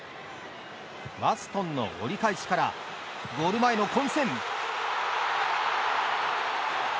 ワストンの折り返しからゴール前の混戦。